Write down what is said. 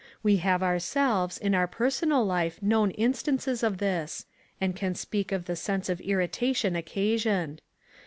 We have ourselves in our personal life known instances of this, and can speak of the sense of irritation occasioned.